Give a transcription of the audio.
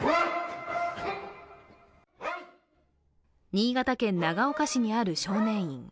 新潟県長岡市にある少年院。